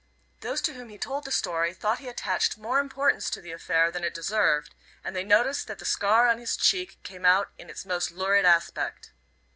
Those to whom he told the story thought he attached more importance to the affair than it deserved, and they noticed that the scar on his cheek came out in its most lurid aspect.